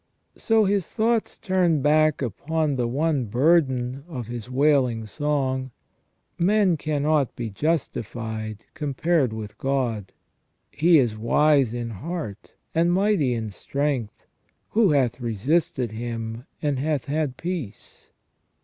So his thoughts turn back upon the one burden of his wailing song :" Man cannot be justified com pared with God. .., He is wise in heart, and mighty in strength : who hath resisted Him, and hath had peace?